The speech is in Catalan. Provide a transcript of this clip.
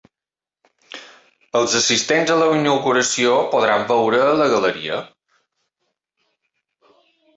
Els assistents a la inauguració podran veure la galeria.